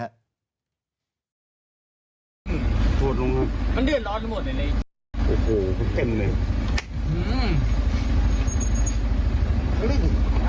มันเดือนร้อนหมดเลย